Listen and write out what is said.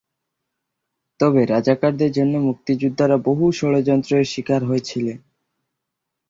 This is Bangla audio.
তবে রাজাকারদের জন্যে মুক্তিযোদ্ধারা বহু ষড়যন্ত্রের শিকার হয়েছিলেন।